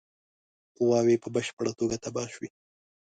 قواوي په بشپړه توګه تباه شوې.